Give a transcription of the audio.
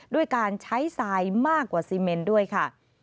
ด้วยการใช้ทรายมากกว่าซีเมนด้วยค่ะ